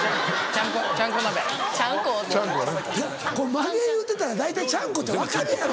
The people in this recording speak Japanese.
まげ結ってたら大体ちゃんこって分かるやろ。